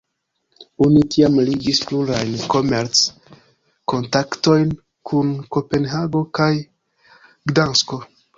Oni tiam ligis plurajn komerc-kontaktojn kun Kopenhago kaj Gdansko.